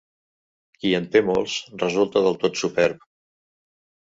Qui en té molts resulta del tot superb.